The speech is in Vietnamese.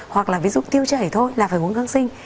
hoặc là ví dụ tiêu chảy thôi là phải uống kháng sinh